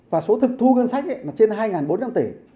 và số thực thu ngân sách là trên hai bốn trăm linh tỷ